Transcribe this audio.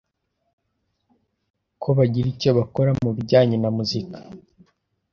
ko bagira icyo bakorana mu bijyanye na muzika